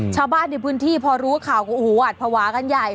ชาวบ้านในพื้นที่พอรู้ข่าวก็โอ้โหหวัดภาวะกันใหญ่